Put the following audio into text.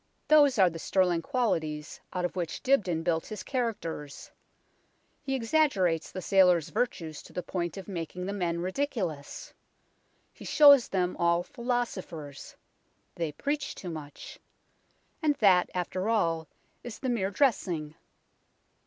Those are the sterling qualities out of which Dibdin built his characters. He exaggerates the sailors' virtues to the point of making the men ridiculous. He shows them all philosophers. They preach too much. And that, after all, is the mere dressing.